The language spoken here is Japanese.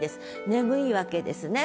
眠いわけですね。